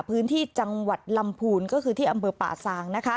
พื้นที่จังหวัดลำพูนก็คือที่อำเภอป่าซาง